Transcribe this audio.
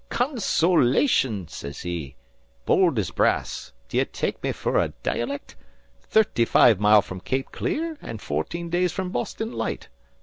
"'Consolation!' sez he, bould as brass. 'D'ye take me fer a dialect? Thirty five mile from Cape Clear, an' fourteen days from Boston Light.